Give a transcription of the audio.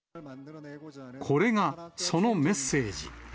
これがそのメッセージ。